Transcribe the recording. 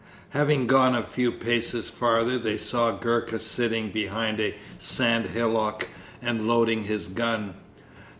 Having gone a few paces farther they saw Gurka sitting behind a sand hillock and loading his gun.